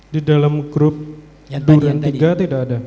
di dalam grup duren tiga tidak ada